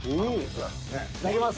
いただきます。